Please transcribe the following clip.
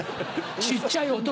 小っちゃい男！